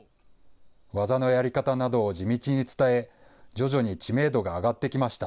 技のやり方などを地道に伝え、徐々に知名度が上がってきました。